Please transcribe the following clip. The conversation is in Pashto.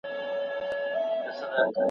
حتی غزل، چي هر بیت یې، `